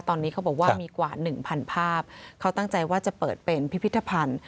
ตอนนี้เขาบอกว่ามีกว่าหนึ่งพันภาพเขาตั้งใจว่าจะเปิดเป็นพิพิธภัณฑ์